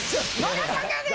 野田さんがね